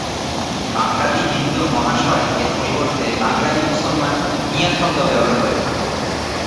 বাঙালি হিন্দুর ‘মহাশয়’ এর পরিবর্তে বাঙালি মুসলমান মিয়া শব্দ ব্যবহার করে থাকে।